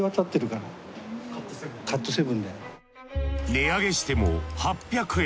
値上げしても８００円。